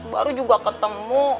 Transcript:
baru juga ketemu